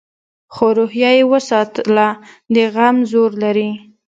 خو روحیه یې وساتله؛ د غم زور لري.